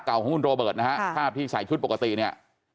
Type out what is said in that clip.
หน้าปากก่อนของคุณโรเบิร์ทนะฮะภาพที่ใส่ชุดปกตินี้